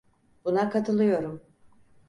Buna katılıyorum.